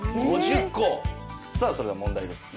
さあそれでは問題です。